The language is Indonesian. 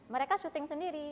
mereka syuting sendiri